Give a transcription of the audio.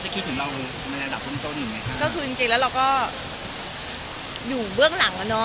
พูดจริงจริงแล้วเราก็อยู่เบื้องหลังเนอะ